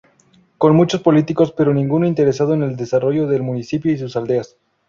Con muchos políticos pero ninguno interesado en el desarrollo del municipio y sus aldeas.